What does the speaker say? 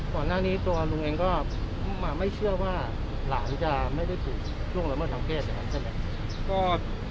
ขวานหน้านี้ตัวลุงเองก็ไม่เชื่อว่าหลายจะไม่ได้ถูกล่วงละเมิดทางแก้เลยครับ